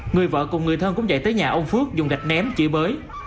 người vợ cùng người thân cũng chạy tới nhà ông phước dùng đạch ném chỉ bới